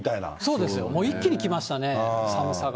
そうですね、一気に来ましたね、寒さが。